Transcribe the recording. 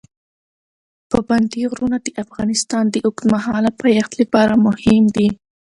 پابندي غرونه د افغانستان د اوږدمهاله پایښت لپاره مهم دي.